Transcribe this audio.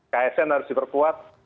ksn harus diperkuat